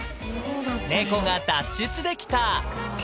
猫が脱出できた。